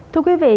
thưa quý vị